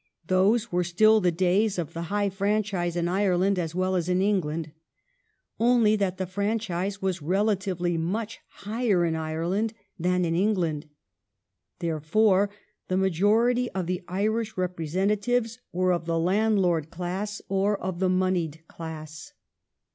Those were still the days of the high franchise in Ireland as well as in Eng land — only that the franchise was relatively much higher in Ireland than it was in England. There fore the majority of the Irish representatives were of the landlord class or of the moneyed class.